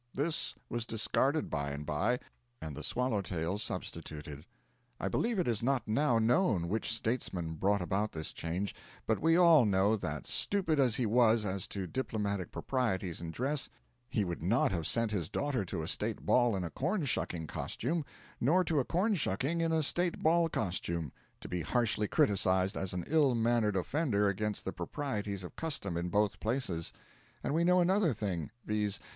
This was discarded by and by, and the swallow tail substituted. I believe it is not now known which statesman brought about this change; but we all know that, stupid as he was as to diplomatic proprieties in dress, he would not have sent his daughter to a state ball in a corn shucking costume, nor to a corn shucking in a state ball costume, to be harshly criticised as an ill mannered offender against the proprieties of custom in both places. And we know another thing, viz.